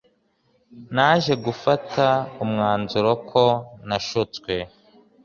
naje gufata umwanzuro ko nashutswe